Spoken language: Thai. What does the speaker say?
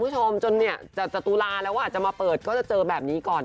จนจะตุลาร่าว่าจะมาเปิดเจอแบบนี้ก่อน